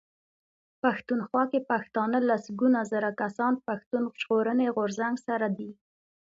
پښتونخوا کې پښتانه لسګونه زره کسان د پښتون ژغورني غورځنګ سره دي.